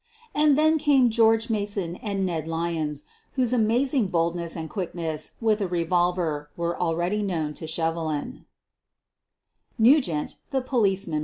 And then came George Mason and Ned Lyons, whose amazing boldness and quickness with a revolver were already known to Shevelin.